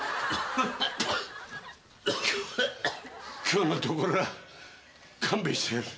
今日のところは勘弁してやる。